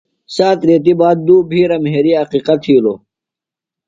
سات ریتیۡ باد دُو بِھیرہ مھرِیۡ عقیقہ تِھیلوۡ۔